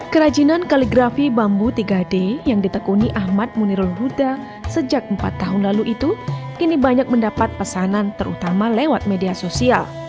kerajinan kaligrafi bambu tiga d yang ditekuni ahmad munirul huda sejak empat tahun lalu itu kini banyak mendapat pesanan terutama lewat media sosial